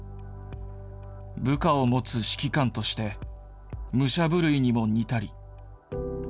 部下を持つ指揮官として、武者震いにも似たり。